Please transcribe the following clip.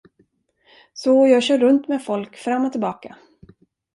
Så jag kör runt med folk, fram och tillbaka.